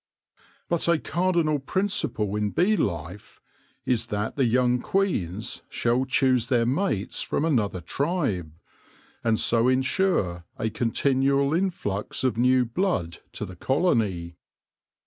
But a cardinal principle in bee life is that the young queens shall choose their mates from another tribe, and so ensure a continual influx of new blood to the colony.